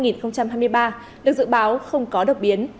được dự báo không có độc biến